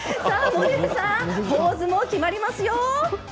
モデルさんポーズも決まりますよ。